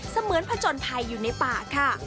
เหมือนผจญภัยอยู่ในป่าค่ะ